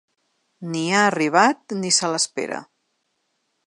Ni ha arribat ni se l’espera.